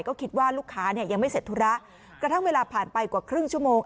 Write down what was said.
ก็คิดว่าลูกค้าเนี่ยยังไม่เสร็จธุระกระทั่งเวลาผ่านไปกว่าครึ่งชั่วโมง